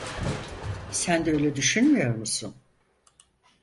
Sen de öyle düşünmüyor musun?